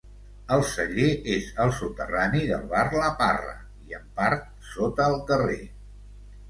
El celler és al soterrani del bar la Parra, i en part sota el carrer.